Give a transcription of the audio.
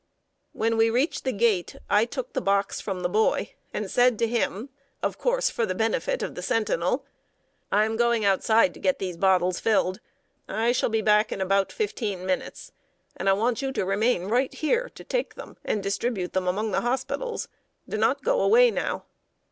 When we reached the gate, I took the box from the boy, and said to him, of course for the benefit of the sentinel: "I am going outside to get these bottles filled. I shall be back in about fifteen minutes, and want you to remain right here, to take them and distribute them among the hospitals. Do not go away, now."